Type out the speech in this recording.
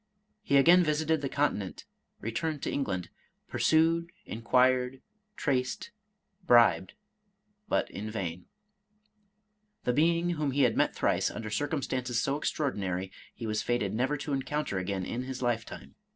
He again visited the Continent, returned to England, — pursued, inquired, traced, bribed, but in vain. The being whom he had met thrice, under circumstances so extraor dinary, he was fated never to encounter again in his lifetime.